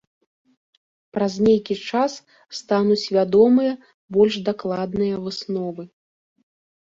Праз нейкі час стануць вядомыя больш дакладныя высновы.